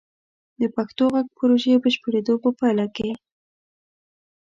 د پښتو غږ پروژې بشپړیدو په پایله کې: